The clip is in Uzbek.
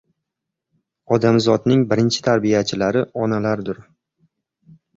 Odamzodning birinchi tarbiyachilari onalardir.